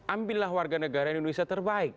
ambillah warga negara indonesia terbaik